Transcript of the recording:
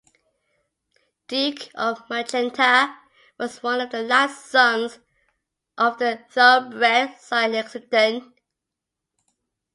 Duke of Magenta was one of the last sons of the thoroughbred sire Lexington.